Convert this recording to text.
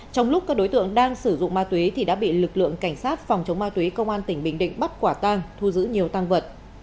trong lúc các đối tượng đang sử dụng ma túy thì đã bị lực lượng cảnh sát phòng chống ma túy công an tỉnh bình định bắt quả tang thu giữ nhiều tăng vật